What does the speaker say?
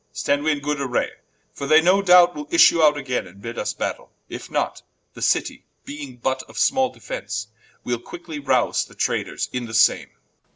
Stand we in good array: for they no doubt Will issue out againe, and bid vs battaile; If not, the Citie being but of small defence, Wee'le quickly rowze the Traitors in the same War.